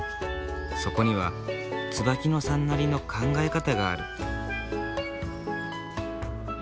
そこには椿野さんなりの考え方がある。